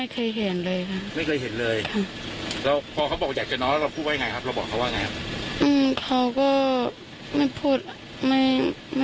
ก็เอ่ยใจว่า